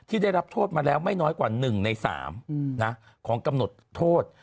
ได้รับโทษมาแล้วไม่น้อยกว่า๑ใน๓ของกำหนดโทษ